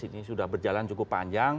ini sudah berjalan cukup panjang